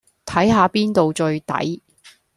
睇吓邊度最抵